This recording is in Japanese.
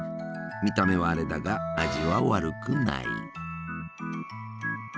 見た目はアレだが味は悪くない。